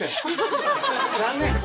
残念！